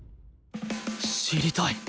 知りたい！